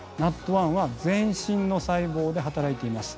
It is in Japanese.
ＮＡＴ１は全身の細胞で働いています。